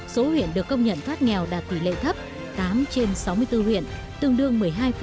số huyện được công nhận thoát nghèo đạt tỷ lệ thấp tám trên sáu mươi bốn huyện tương đương một mươi hai